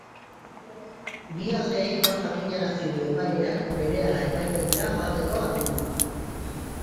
Bi aldeei gaur jakinarazi die epaileak berehala epaitegira joateko agindua.